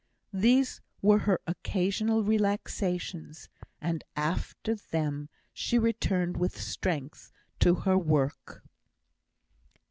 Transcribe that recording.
These were her occasional relaxations, and after them she returned with strength to her work.